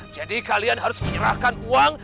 jadi kalian harus menyerahkan uang